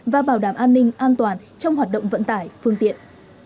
và bảo đảm an ninh an toàn trong hoạt động vận tải phương tiện